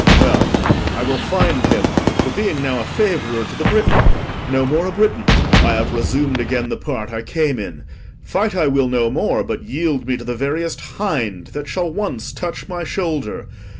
Well, I will find him; For being now a favourer to the Briton, No more a Briton, I have resum'd again The part I came in. Fight I will no more, But yield me to the veriest hind that shall Once touch my shoulder.